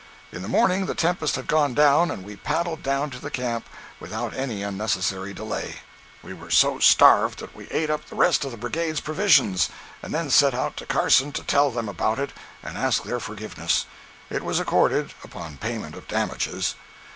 In the morning the tempest had gone down, and we paddled down to the camp without any unnecessary delay. We were so starved that we ate up the rest of the Brigade's provisions, and then set out to Carson to tell them about it and ask their forgiveness. It was accorded, upon payment of damages.